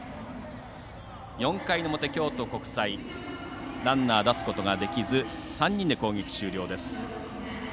４回の表、京都国際ランナー、出すことができず３人で攻撃終了です。